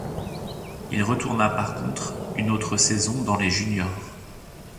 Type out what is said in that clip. Il retourna par contre une autre saison dans les juniors.